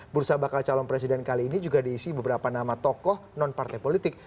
bursa bakal calon presiden kali ini juga diisi beberapa nama tokoh non partai politik